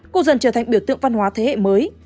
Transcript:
cũng dần trở thành biểu tượng văn hóa thế hệ mới